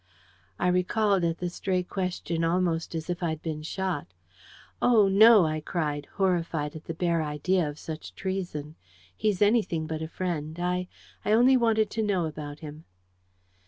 I recoiled at the stray question almost as if I'd been shot. "Oh, no!" I cried, horrified at the bare idea of such treason. "He's anything but a friend... I I only wanted to know about him."